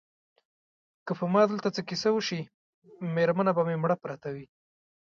که په ما دلته څه کیسه وشي مېرمنه به مې مړه پرته وي.